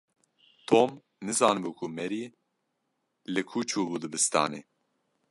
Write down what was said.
Tom nizanibû ku Mary li ku çûbû dibistanê.